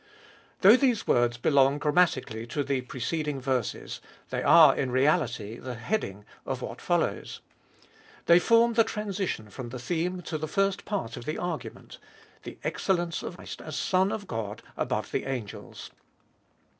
Though these words belong grammatically to the preceding verses, they are in reality the heading of what follows. They form the transition from the theme to the first part of the argument — the excellence of Christ as Son of God above the angels.